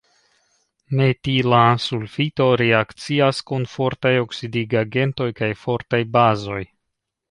Metila sulfito reakcias kun fortaj oksidigagentoj kaj fortaj bazoj.